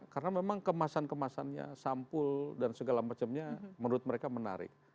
karena memang kemasan kemasannya sampul dan segala macamnya menurut mereka menarik